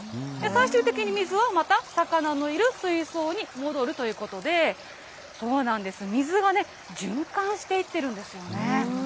最終的に水はまた魚のいる水槽に戻るということで、水が循環していってるんですね。